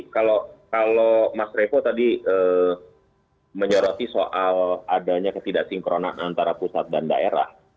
kalau mas revo tadi menyoroti soal adanya ketidaksinkronan antara pusat dan daerah